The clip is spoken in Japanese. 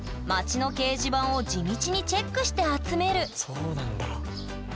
そうなんだ。